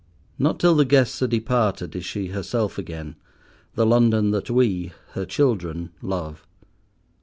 Not till the guests are departed is she herself again, the London that we, her children, love.